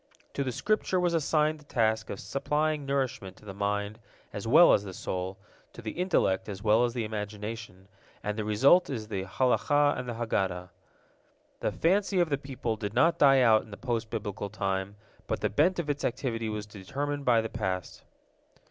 To the Scripture was assigned the task of supplying nourishment to the mind as well as the soul, to the intellect as well as the imagination, and the result is the Halakah and the Haggadah. The fancy of the people did not die out in the post Biblical time, but the bent of its activity was determined by the past.